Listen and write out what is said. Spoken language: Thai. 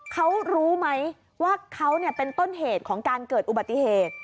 เขารู้ไหมว่าเขาเป็นต้นเหตุของการเกิดอุบัติเหตุ